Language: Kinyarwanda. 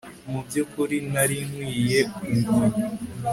Mu byukuri nari nkwiye kubimenya